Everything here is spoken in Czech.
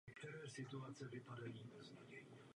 Získal značné vzdělání teologické a filosofické.